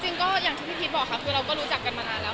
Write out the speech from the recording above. จริงก็อย่างที่พี่พีชบอกค่ะคือเราก็รู้จักกันมานานแล้ว